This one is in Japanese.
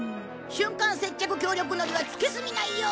瞬間接着強力のりはつけすぎないように！